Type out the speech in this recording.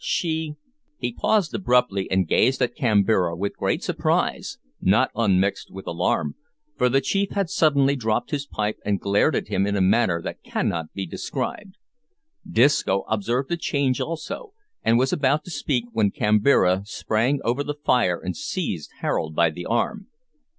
She " He paused abruptly and gazed at Kambira with great surprise, not unmixed with alarm, for the chief had suddenly dropped his pipe and glared at him in a manner that cannot be described. Disco observed the change also, and was about to speak, when Kambira sprang over the fire and seized Harold by the arm.